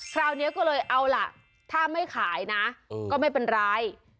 คราวนี้ก็เลยเอาล่ะถ้าไม่ขายนะก็ไม่เป็นไร